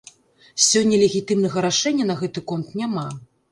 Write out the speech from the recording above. Сёння легітымнага рашэння на гэты конт няма.